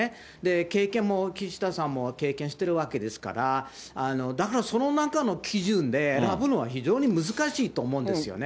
経験も、岸田さんも経験してるわけですから、だからその中の基準で選ぶのは非常に難しいと思うんですよね。